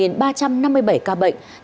trong đó cộng đồng là sáu ca